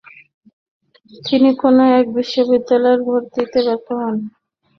তিনি কোন এক বিশ্ববিদ্যালয়ে ভর্তিতে ব্যর্থ হন।